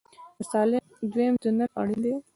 د سالنګ دویم تونل اړین دی